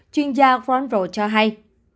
chuyên gia ron rowe cho hay